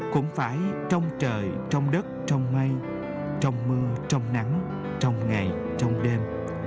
cũng phải trong trời trong đất trong mây trong mưa trong nắng trong ngày trong đêm